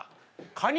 カニ